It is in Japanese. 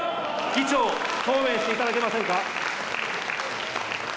議長、答弁していただけませんか。